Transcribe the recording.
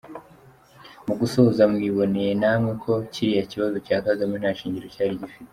Mu gusoza, mwiboneye namwe ko kiriya kibazo cya Kagame nta shingiro cyari gifite!